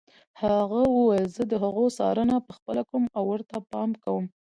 هغه وویل زه د هغو څارنه پخپله کوم او ورته پام کوم.